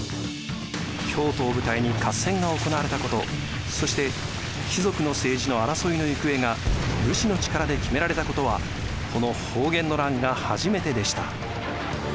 京都を舞台に合戦が行われたことそして貴族の政治の争いの行方が武士の力で決められたことはこの保元の乱が初めてでした。